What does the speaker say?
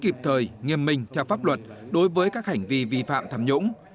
kịp thời nghiêm minh theo pháp luật đối với các hành vi vi phạm tham nhũng